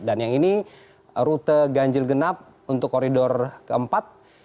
dan yang ini rute ganjil genap untuk koridor keempat